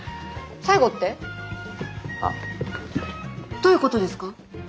どういうことですか？